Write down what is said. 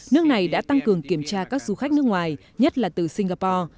nước này đã tăng cường kiểm tra các du khách nước ngoài nhất là từ singapore